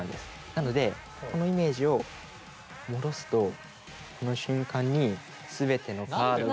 なのでこのイメージを戻すとこの瞬間に全てのカードが。